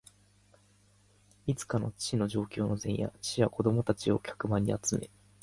いつかの父の上京の前夜、父は子供たちを客間に集め、